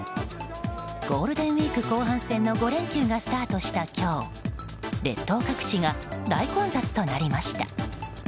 ゴールデンウィーク後半戦の５連休がスタートした今日列島各地が大混雑となりました。